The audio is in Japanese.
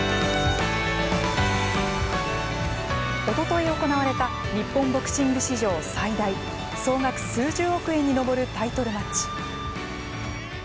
おととい行われた日本ボクシング史上最大総額数十億円に上るタイトルマッチ。